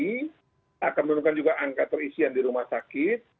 dan juga akan menurunkan juga angka terisian di rumah sakit